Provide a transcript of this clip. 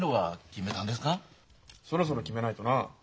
そろそろ決めないとな。